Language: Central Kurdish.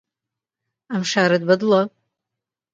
ئەم شارەت بەدڵە؟